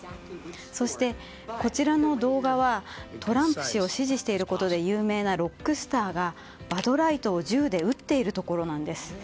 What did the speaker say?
そして、こちらの動画はトランプ氏を支持していることで有名なロックスターがバドライトを銃で撃っているところなんです。